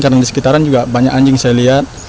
karena di sekitaran juga banyak anjing saya lihat